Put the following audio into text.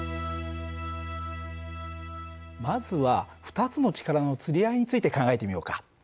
まずは２つの力のつり合いについて考えてみようか。